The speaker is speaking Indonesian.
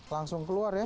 langsung keluar ya